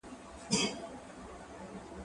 هغه وويل چي کالي پاک دي!.